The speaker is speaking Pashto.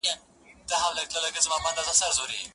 نصیب د جهاني له ستوني زور دی تښتولی!.